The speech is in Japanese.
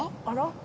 あら。